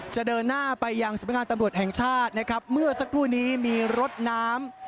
เดินหน้าไปยังสำนักงานตำรวจแห่งชาตินะครับเมื่อสักครู่นี้มีรถน้ำ